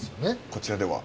こちらでは？